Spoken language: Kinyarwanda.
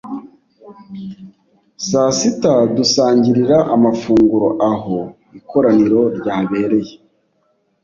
saa sita dusangirira amafunguro aho ikoraniro ryabereye